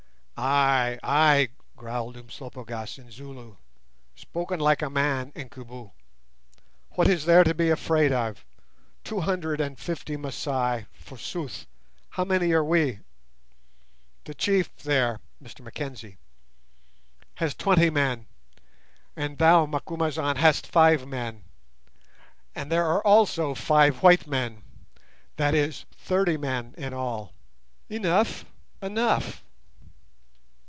"Ay, ay," growled Umslopogaas, in Zulu; "spoken like a man, Incubu. What is there to be afraid of? Two hundred and fifty Masai, forsooth! How many are we? The chief there [Mr Mackenzie] has twenty men, and thou, Macumazahn, hast five men, and there are also five white men—that is, thirty men in all—enough, enough.